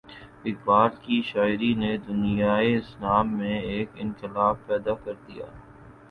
اقبال کی شاعری نے دنیائے اسلام میں ایک انقلاب پیدا کر دیا۔